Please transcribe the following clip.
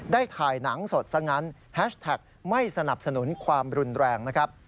ได้ถ่ายหนังสดซะงั้นแฮชแท็กไม่สนับสนุนความรุนแรงนะครับ